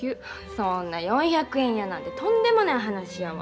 そんな４百円やなんてとんでもない話やわ。